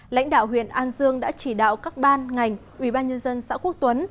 lãnh đạo huyện an dương đã chỉ đạo các ban ngành ubnd xã quốc tuấn